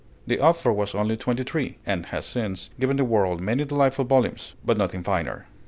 The author was only twenty three, and has since given the world many delightful volumes, but nothing finer.